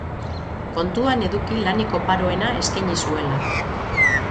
Kontuan eduki lanik oparoena eskaini zuela.